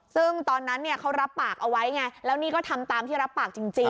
ซึ่งตอนนั้นเขารับปากเอาไว้ไงแล้วนี่ก็ทำตามที่รับปากจริง